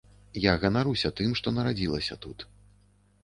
Я ганаруся тым, што нарадзілася тут.